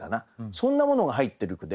そんなものが入ってる句で。